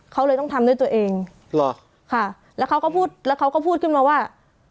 เขาเลยต้องทำด้วยตัวเองค่ะแล้วเขาก็พูดขึ้นมาว่า